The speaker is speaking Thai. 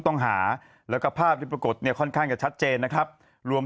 ต้องหาแล้วก็ภาพที่ปรากฏเนี่ยค่อนข้างจะชัดเจนนะครับรวม